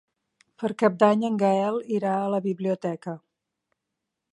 Per Cap d'Any en Gaël irà a la biblioteca.